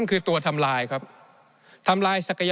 ในช่วงที่สุดในรอบ๑๖ปี